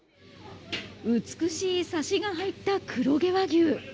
美しいサシが入った黒毛和牛。